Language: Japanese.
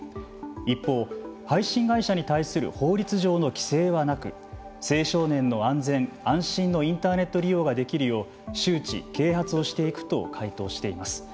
一方、配信会社に対する法律上の規制はなく青少年の安全・安心のインターネット利用ができるよう周知・啓発をしていくと回答しています。